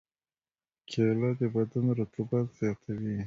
کېله د بدن رطوبت زیاتوي.